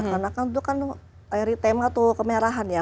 karena kan itu kan airi tema tuh kemerahan ya